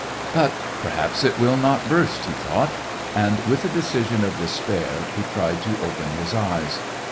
*' But perhaps it will not burst," he thought, and, with the decision of despair, he tried to open his eyes.